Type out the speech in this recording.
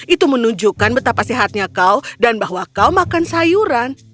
itu menunjukkan betapa sehatnya kau dan bahwa kau makan sayuran